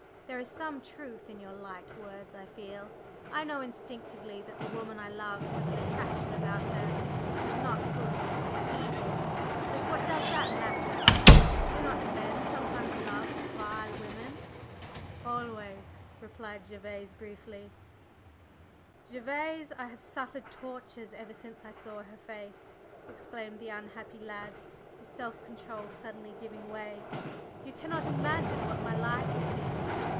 There is some truth in your light words; I feel, I know instinctively, that the woman I love has an attraction about her which is not good, but evil; yet what does that matter? Do not men sometimes love vile women?" "Always!" replied Gervase briefly. "Gervase, I have suffered tortures ever since I saw her face!" exclaimed the unhappy lad, his self control suddenly giving way. "You cannot imagine what my life has been!